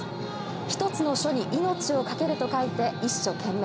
一つの書に命を懸けると書いて「一書懸命」。